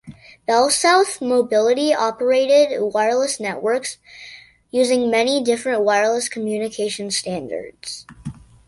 BellSouth Mobility operated wireless networks using many different wireless communication standards.